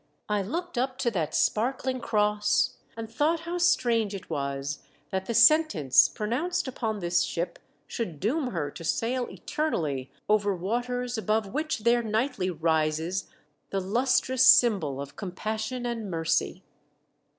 I looked up to that spar' ling Cross and thought how strange iWas that the Sentence pronounced upon thiship should doom her to sail eternally over aters above which there nightly rises the .strous symbol of Compassion and Mercy.